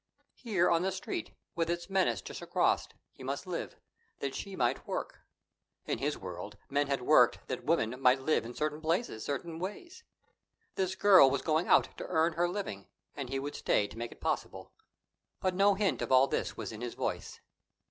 Here on the Street, with its menace just across, he must live, that she might work. In his world, men had worked that women might live in certain places, certain ways. This girl was going out to earn her living, and he would stay to make it possible. But no hint of all this was in his voice.